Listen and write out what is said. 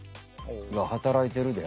働いてるで。